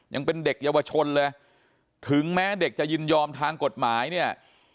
ยังเป็นเด็กเยาวชนเลยถึงแม้เด็กจะยินยอมทางกฎหมายเนี่ย